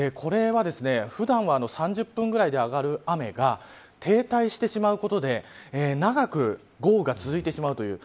普段は３０分ぐらいで上がる雨が停滞してしまうことで長く豪雨が続いてしまうという。